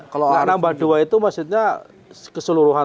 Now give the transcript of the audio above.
nah nambah dua itu maksudnya keseluruhan